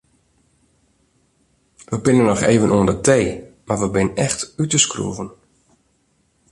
We binne noch even oan de tee mar we binne echt út de skroeven.